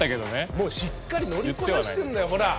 もうしっかり乗りこなしてんだよほら。